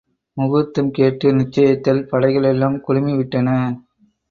முகூர்த்தம் கேட்டு நிச்சயித்தல் படைகள் எல்லாம் குழுமிவிட்டன.